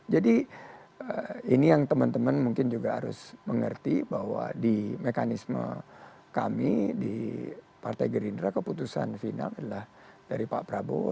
jadi ini yang teman teman mungkin juga harus mengerti bahwa di mekanisme kami di partai gerindra keputusan final adalah dari pak prabowo